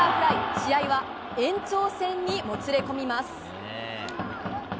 試合は延長戦にもつれ込みます。